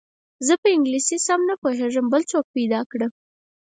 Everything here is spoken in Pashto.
زه په انګلیسي سم نه پوهېږم بل څوک پیدا کړه.